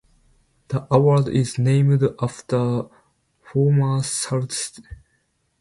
The award is named after former Sault Ste.